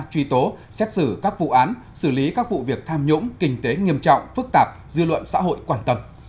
truy tố xét xử các vụ án xử lý các vụ việc tham nhũng kinh tế nghiêm trọng phức tạp dư luận xã hội quan tâm